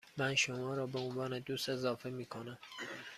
من شما را به عنوان دوست اضافه می کنم.